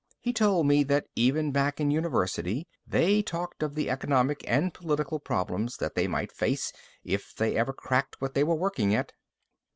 He told me that even back in university, they talked of the economic and political problems that they might face if they ever cracked what they were working at.